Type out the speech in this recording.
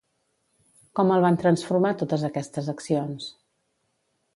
Com el van transformar totes aquestes accions?